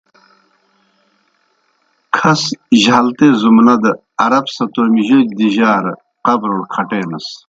کَھس جہالت اےْ زُمنہ دہ عرب سہ تومیْ جودہ دِجارہ قبروڑ کھٹینَس۔